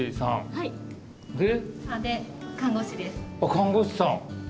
看護師さん。